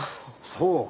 そうか。